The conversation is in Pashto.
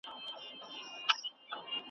هره دښته يې ميوند دی ,